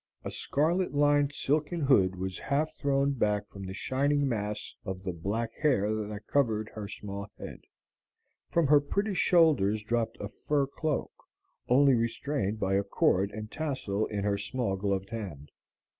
A scarlet lined silken hood was half thrown back from the shining mass of the black hair that covered her small head; from her pretty shoulders dropped a fur cloak, only restrained by a cord and tassel in her small gloved hand.